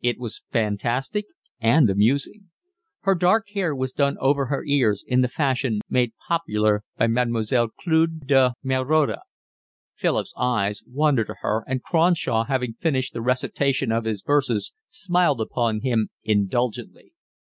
It was fantastic and amusing. Her dark hair was done over her ears in the fashion made popular by Mlle. Cleo de Merode. Philip's eyes wandered to her, and Cronshaw, having finished the recitation of his verses, smiled upon him indulgently.